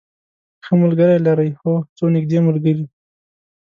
ښه ملګری لرئ؟ هو، څو نږدې ملګری